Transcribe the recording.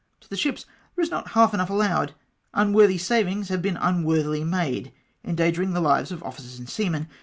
To the ships there is not half enough allowed. Unworthy savings have been unworthily made, endangering the lives of officers and seamen.